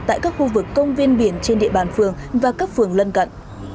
tại các khu vực công viên biển trên địa bàn phường và các phường lân cận